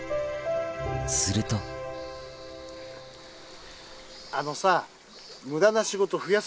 するとあのさ。